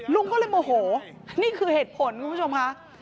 ลุงก็เลยโมโหนี่คือเหตุผลคุณผู้ชมค่ะ